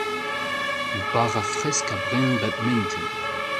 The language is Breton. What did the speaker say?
bara fresk a bren bep mintin.